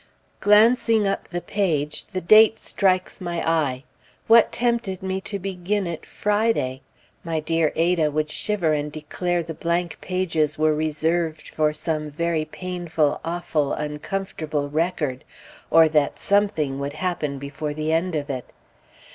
Glancing up the page, the date strikes my eye. What tempted me to begin it Friday? My dear Ada would shiver and declare the blank pages were reserved for some very painful, awful, uncomfortable record, or that "something" would happen before the end of it.